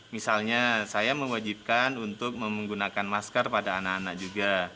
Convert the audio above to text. misalnya saya mewajibkan untuk menggunakan masker pada anak anak juga